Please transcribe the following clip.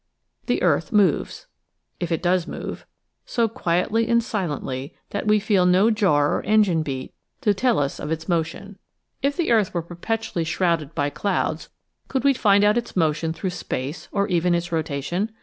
The earth moves — if it does move — so quietly and silently that we feel no jar or engine beat to tell us of 8 EASY LESSONS IN EINSTEIN its motion. If the earth were perpetually shrouded by clouds could we find out its motion through space or even its rotation?